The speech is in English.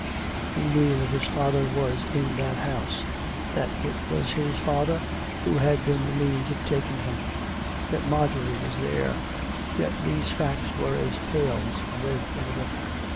He knew that his father was in that house; that it was his father who had been the means of taking him; that Marjorie was there — yet these facts were as tales read in a book.